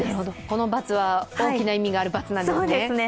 この×は大きな意味がある×なんですね。